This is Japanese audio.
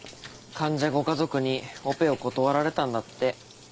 患者ご家族にオペを断られたんだって。